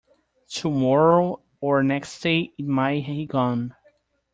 Tomorrow or next day it might he gone.